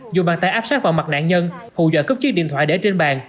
dù bàn tay áp sát vào mặt nạn nhân hù dọa cướp chiếc điện thoại để trên bàn